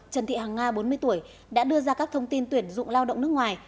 trần thị hàng nga bốn mươi tuổi đã đưa ra các thông tin tuyển dụng lao động nước ngoài